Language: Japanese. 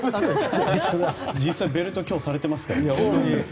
実際、ベルト今日されてますからね。